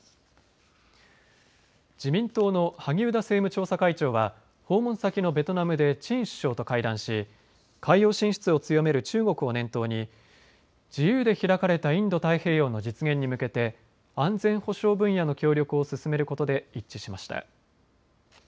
自民党の萩生田政務調査会長は訪問先のベトナムでチン首相と会談し海洋進出を強める中国を念頭に自由で開かれたインド太平洋の実現に向けて安全保障分野の協力を進めることで一致しました。